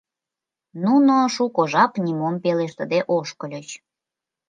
Нуно шуко жап нимом пелештыде ошкыльыч.